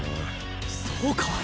そうか！